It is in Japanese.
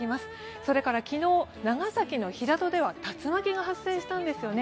それから昨日、長崎の平戸では竜巻が発生したんですよね。